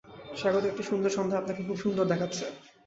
স্বাগত একটি সুন্দর সন্ধ্যায়, আপনাকে খুব সুন্দর দেখাচ্ছে।